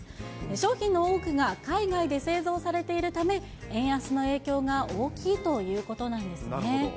商品の多くが海外で製造されているため、円安の影響が大きいということなんですね。